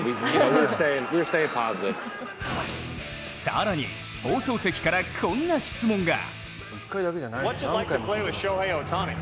更に、放送席からこんな質問が。